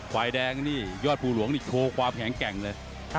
ฝ่ายแดงนี่ยอดภูหลวงนี่โชว์ความแข็งแกร่งเลย